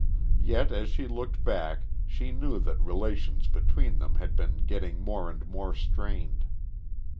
Yet, as she looked back she knew that relations between them had been getting more and more strained.